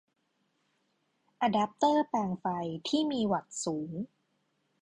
อะแดปเตอร์แปลงไฟที่มีวัตต์สูง